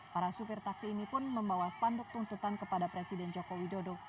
para supir taksi ini pun membawa spanduk tuntutan kepada presiden joko widodo